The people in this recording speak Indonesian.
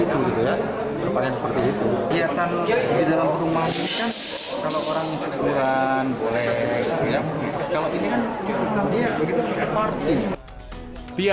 itu ya seperti itu ya kan di dalam rumah kalau orang yang cuman boleh kalau ini kan